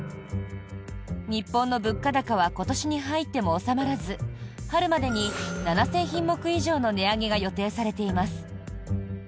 日本の物価高は今年に入っても収まらず春までに７０００品目以上の値上げが予定されています。